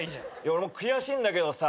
俺も悔しいんだけどさ